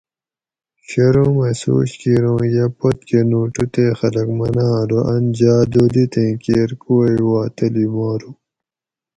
شرومہۤ سوچ کِیر اُوں یہ پوت کہ نوٹو تے خلق مناۤں ارو اۤن جاۤ دولِتین کیر کُووئ وا تلی مارو